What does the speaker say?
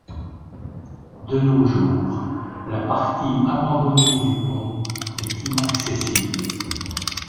De nos jours, la partie abandonnée du pont est inaccessible.